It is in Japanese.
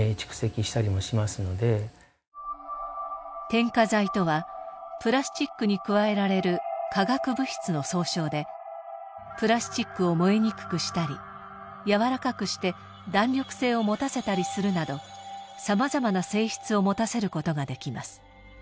添加剤とはプラスチックに加えられる化学物質の総称でプラスチックを燃えにくくしたり柔らかくして弾力性を持たせたりするなどさまざまな性質を持たせることができます。